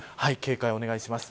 警戒をお願いします。